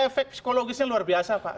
jadi efek psikologisnya luar biasa pak